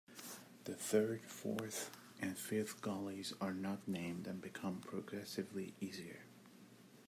The third, fourth and fifth gullies are not named, and become progressively easier.